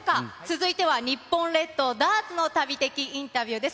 続いては日本列島ダーツの旅的インタビューです。